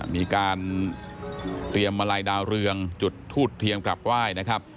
มีการเตรียมมาลัยดาวเรืองจุดทูบเทียมกลับไหว้นะครับ